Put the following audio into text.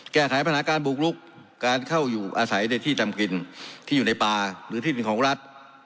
แก้ไขปัญหาการบุกลุกการเข้าอยู่อาศัยในที่ทำกินที่อยู่ในป่าหรือที่ดินของรัฐ